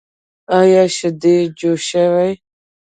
ایا شیدې جوشوئ؟